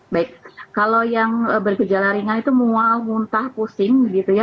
baik kalau yang bergejala ringan itu mual muntah pusing gitu ya